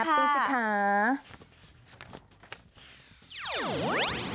แฮปปี้สิคะ